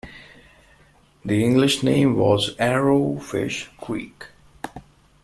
The English name was "Arrow Fish Creek".